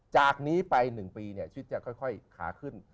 จากนี้ไป๑ปีชีวิตจะค่อยขาขึ้น